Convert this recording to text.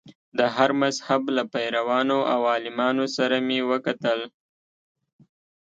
د هر مذهب له پیروانو او عالمانو سره مې وکتل.